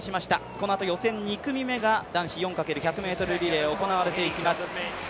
このあと予選２組目が男子４×１００ｍリレー、行われていきます。